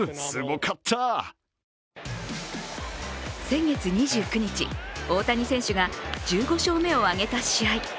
先月２９日、大谷選手が１５勝目を挙げた試合。